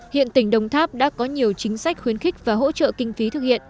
hiện tỉnh đồng tháp đã có nhiều chính sách khuyến khích và hỗ trợ kinh phí thực hiện